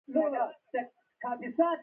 ایا زه سبا راشم؟